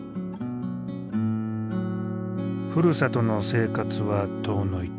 ふるさとの生活は遠のいた。